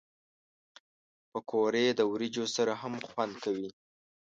پکورې د وریجو سره هم خوند کوي